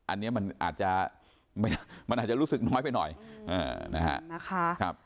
อันนี้มันอาจจะมันอาจจะรู้สึกน้อยไปหน่อยนะฮะ